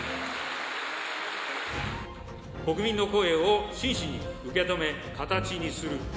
国民の声を真摯に受け止め、形にする。